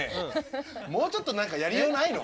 もうちょっと何かやりようないの？